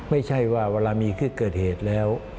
ไม่ใช่ว่าเวลามีที่เกิดเหตุแล้ว